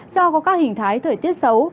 do có các hình thái thời tiết xấu